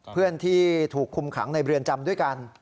เพื่อนที่ถูกคุมขังในเรือนจำด้วยกัน